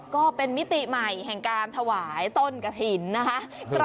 ก็เป็นมิติใหม่แห่งการถวายต้นกระถิ่นนะคะ